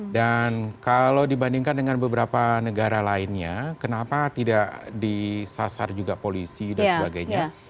dan kalau dibandingkan dengan beberapa negara lainnya kenapa tidak disasar juga polisi dan sebagainya